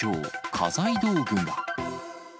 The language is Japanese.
家財道具が。